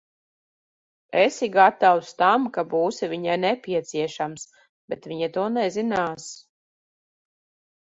Esi gatavs tam, ka būsi viņai nepieciešams, bet viņa to nezinās.